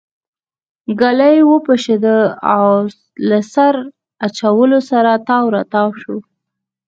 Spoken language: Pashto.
ګلی وپشېده له سر اچولو سره تاو راتاو شو.